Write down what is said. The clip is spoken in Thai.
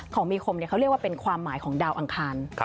ของมีคมเขาเรียกว่าเป็นความหมายของดาวอังคาร